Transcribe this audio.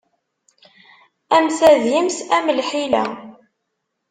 Am tadimt, am lḥila.